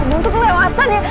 udung tuh kelewatan ya